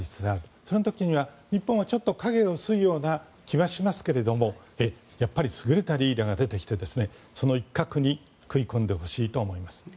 その時には日本は影が薄いような気はしますが、やっぱり優れたリーダーが出てきてその一角に食い込んでほしいと思います。